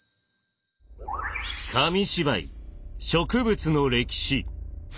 紙芝居「植物の歴史」。